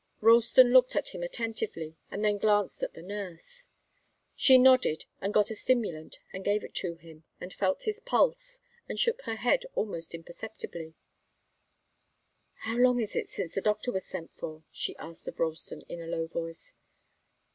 Ralston looked at him attentively and then glanced at the nurse. She nodded, and got a stimulant and gave it to him, and felt his pulse, and shook her head almost imperceptibly. "How long is it since the doctor was sent for?" she asked of Ralston, in a low voice.